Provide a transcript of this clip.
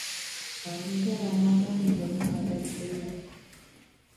Abakyala n'abaami bonna babaddeyo.